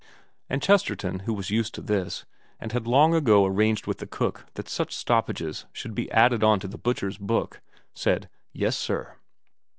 And Chesterton, who was used to this, and had long ago arranged with the cook that such stoppages should be added on to the butcher's book, said, ' Yes sir.'